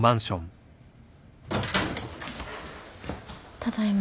ただいま。